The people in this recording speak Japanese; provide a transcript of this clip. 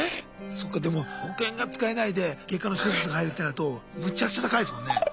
そうかでも保険が使えないで外科の手術が入るってなるとむちゃくちゃ高いですもんね。